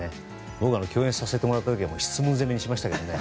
僕は共演させてもらった時は質問攻めしましたけどね。